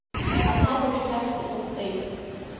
Аҭакәажә ҭакс иҟалҵеит…